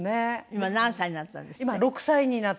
今何歳になったんですって？